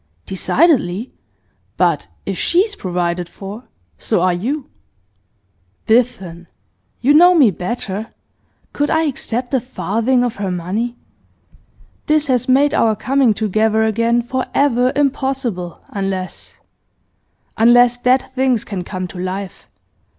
'Decidedly. But if she is provided for, so are you.' 'Biffen, you know me better. Could I accept a farthing of her money? This has made our coming together again for ever impossible, unless unless dead things can come to life.